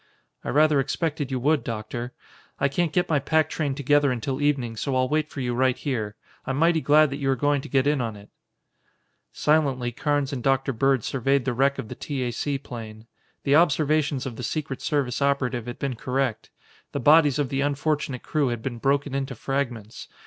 "I rather expected you would, Doctor. I can't get my pack train together until evening, so I'll wait for you right here. I'm mighty glad that you are going to get in on it." Silently Carnes and Dr. Bird surveyed the wreck of the T. A. C. plane. The observations of the secret service operative had been correct. The bodies of the unfortunate crew had been broken into fragments.